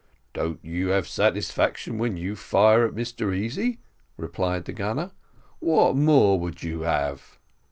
"Don't you have satisfaction when you fire at Mr Easy," replied the gunner; "what more would you have?"